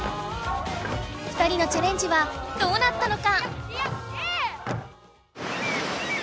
２人のチャレンジはどうなったのか？